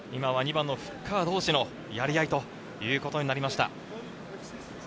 ２番のフッカー同士のやり合いということになりました。